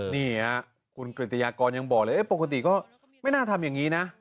นี่คุณกริตยากรยังบอกเลยปกติก็ไม่น่าทำอย่างนี้นะ